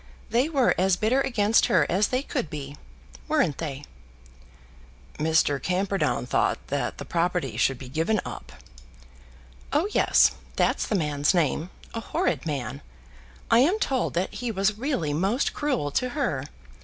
They were as bitter against her as they could be; weren't they?" "Mr. Camperdown thought that the property should be given up." "Oh yes; that's the man's name; a horrid man. I am told that he was really most cruel to her.